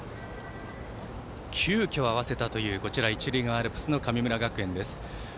急きょ、合わせたというこちら、一塁側アルプスの神村学園です。